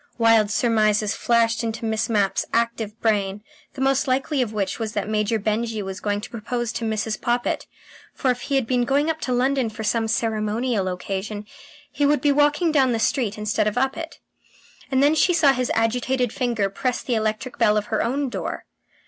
Wild surmises flashed into Miss Mapp's active brain, the most likely of which was that Major Benjy was going to propose to Mrs. Poppit, for if he had been going up to London for some ceremonial occasion, he would be walking down the street instead of up it. And then she saw his agitated finger press the electric bell of her own door.